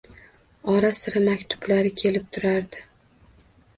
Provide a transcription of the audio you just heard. Ora-sira maktublari kelib turardi.